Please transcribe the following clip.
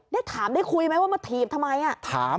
ได้ถามได้คุยไหมว่ามาถีบทำไม